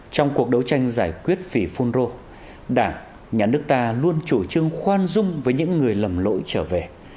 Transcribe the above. trong cuộc đấu tranh giải quyết phỉ phun rô đảng nhà nước ta luôn chủ trương khoan dung với những người lầm lỗi trở về